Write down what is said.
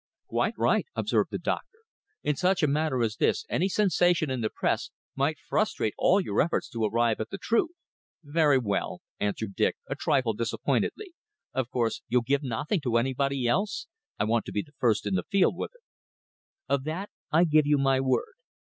"Quite right," observed the doctor. "In such a matter as this any sensation in the Press might frustrate all your efforts to arrive at the truth." "Very well," answered Dick, a trifle disappointedly. "Of course you'll give nothing to anybody else. I want to be first in the field with it." "Of that I give you my word.